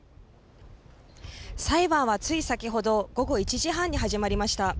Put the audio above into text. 裁判はつい先ほど、午後１時半に始まりました。